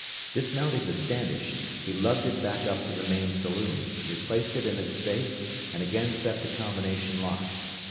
Dismounting the Standish, he lugged it back up to the main saloon, replaced it in its safe and again set the combination lock.